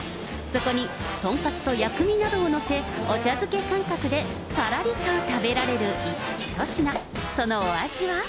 そこに豚カツと薬味などを載せ、お茶漬け感覚でさらりと食べられる一品。